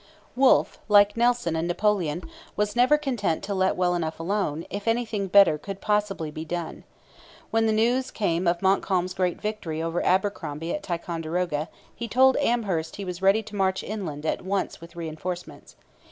Wolfe, like Nelson and Napoleon, was never content to 'let well enough alone,' if anything better could possibly be done. When the news came of Montcalm's great victory over Abercromby at Ticonderoga, he told Amherst he was ready to march inland at once with reinforcements.